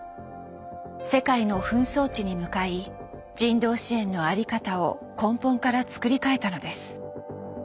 世界の紛争地に向かい人道支援の在り方を根本から作り替えたのです。